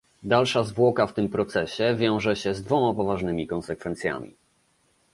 Dalsza zwłoka w tym procesie wiąże się z dwoma poważnymi konsekwencjami